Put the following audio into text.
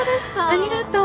ありがとう。